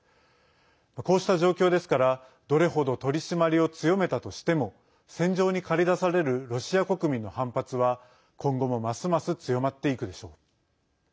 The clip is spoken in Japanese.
こうした状況ですからどれほど取り締まりを強めたとしても戦場に駆り出されるロシア国民の反発は今後もますます強まっていくでしょう。